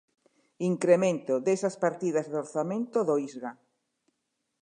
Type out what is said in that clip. Incremento desas partidas de orzamento do Issga.